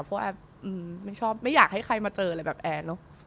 เพราะแอบไม่อยากให้ใครมาเจอแบบแอร์